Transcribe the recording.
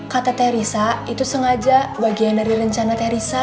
kata teresa itu sengaja bagian dari rencana teresa